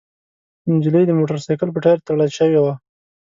نجلۍ د موټرسايکل په ټاير تړل شوې وه.